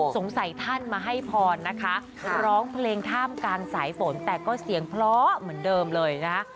ท่านมาให้พรนะคะร้องเพลงท่ามกลางสายฝนแต่ก็เสียงเพราะเหมือนเดิมเลยนะคะ